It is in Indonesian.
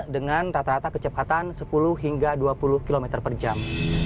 dengan rata rata kecepatan sepuluh hingga dua puluh km per jam